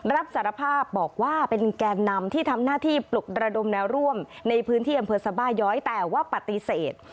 รับสารภาพบอกว่าเป็นแกนนำที่ทำหน้าที่ปลุกระดมแนวร่วมในพื้นที่อำเภอสบาย้อยแต่ว่าปฏิเสธ